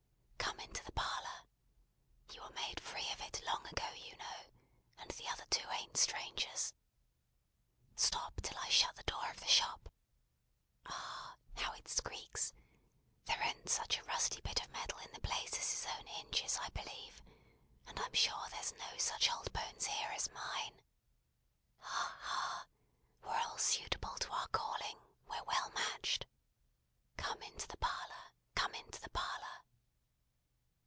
"Come into the parlour. You were made free of it long ago, you know; and the other two an't strangers. Stop till I shut the door of the shop. Ah! How it skreeks! There an't such a rusty bit of metal in the place as its own hinges, I believe; and I'm sure there's no such old bones here, as mine. Ha, ha! We're all suitable to our calling, we're well matched. Come into the parlour. Come into the parlour."